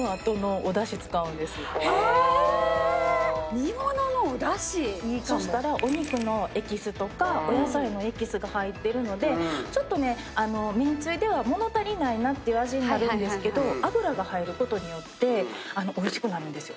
煮物のお出汁⁉そしたらお肉のエキスとかお野菜のエキスが入ってるのでめんつゆでは物足りないなっていう味になるんですけど脂が入ることによっておいしくなるんですよ。